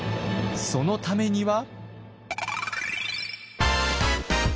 そのためには。